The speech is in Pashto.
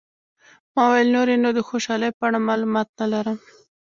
ما وویل، نور یې نو د خوشحالۍ په اړه معلومات نه لرم.